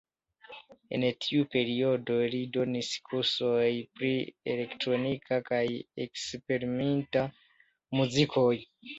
En tiu periodo li donis kursojn pri elektronika kaj eksperimenta muzikoj.